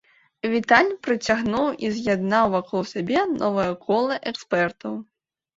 Віталь прыцягнуў і з'яднаў вакол сябе новае кола экспертаў.